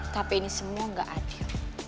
tapi ini semua gak adil